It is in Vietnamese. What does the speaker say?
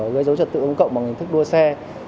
gây dối trật tự công cộng bằng hình thức đua xe